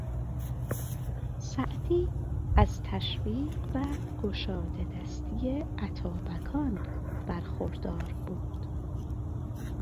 سعدی از تشویق و گشاده دستی اتابکان برخوردار بود.